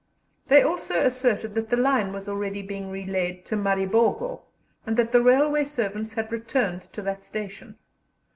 They also asserted that the line was already being relaid to Maribogo, and that the railway servants had returned to that station.